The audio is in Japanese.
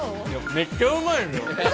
めっちゃうまいですよ。